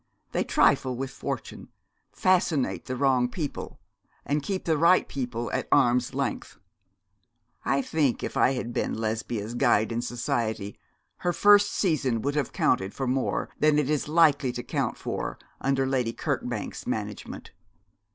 They trifle with fortune, fascinate the wrong people, and keep the right people at arm's length. I think if I had been Lesbia's guide in society her first season would have counted for more than it is likely to count for under Lady Kirkbank's management.